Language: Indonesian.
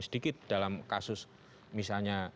sedikit dalam kasus misalnya